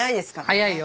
早いよ。